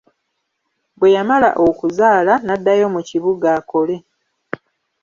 Bwe yamala okuzaala, n'addayo mu kibuga akole.